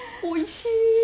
おいしい！